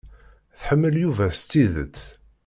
Tḥemmel Yuba s tidet.